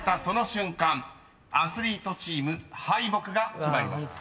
アスリートチーム敗北が決まります］